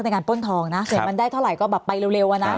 ในการป้นทองนะเสร็จมันได้เท่าไหร่ก็แบบไปเร็ว